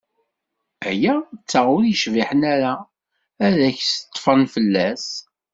Ala d ta ur yecbiḥen ara, ad ak-ṭfen fell-as.